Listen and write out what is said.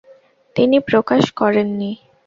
তিনি প্রকাশ করেন নি।